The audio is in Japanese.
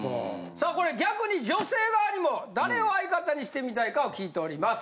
さあこれ逆に女性側にも誰を相方にしてみたいかを聞いております。